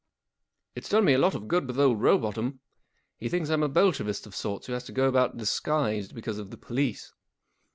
It's done me a lot of good with offl Rowbotham. He thinks I'm a Bolshevist of sorts who has to go about disguised because of the police.